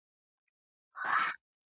უჯრედი მას დიდი რაოდენობით მოითხოვს.